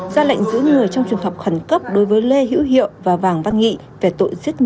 ra lệnh giữ người trong trường hợp khẩn cấp đối với lê hiệu hiệu và vàng văn nghị về tội giết người cướp tài sản